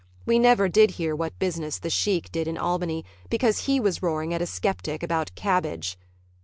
We never did hear what business "The Sheik" did in Albany because he was roaring at a skeptic about cabbage.